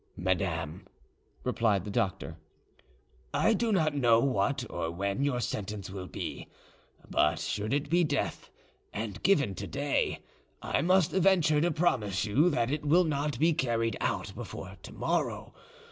"Madame," replied the doctor, "I do not know what or when your sentence will be; but should it be death, and given to day, I may venture to promise you that it will not be carried out before to morrow.